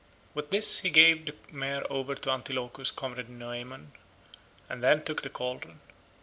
With this he gave the mare over to Antilochus's comrade Noemon, and then took the cauldron.